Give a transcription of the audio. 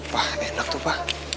pa enak tuh pa